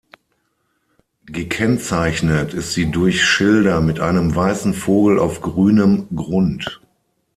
Gekennzeichnet ist sie durch Schilder mit einem weißen Vogel auf grünem Grund.